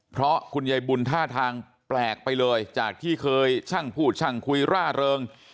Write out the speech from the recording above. เพราะคุณยายบุญท่าทางแปลกไปเลยจากที่เคยช่างพูดช่างคุยร่าเริง